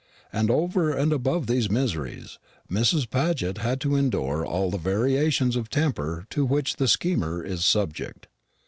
And over and above these miseries, Mrs. Paget had to endure all the variations of temper to which the schemer is subject.